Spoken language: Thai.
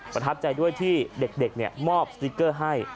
ประทับใจด้วยที่เด็กมอบสติ๊กเกอร์ให้